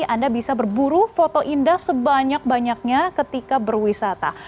anda bisa berburu foto indah sebanyak banyaknya ketika berwisata